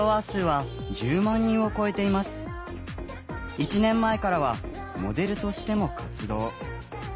１年前からはモデルとしても活動。